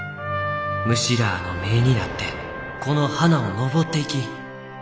虫らあの目になってこの花を登っていき。